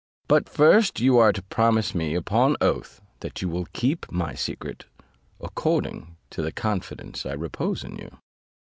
But first you are to promise me upon oath, that you will keep my secret, according to the confidence I repose in you."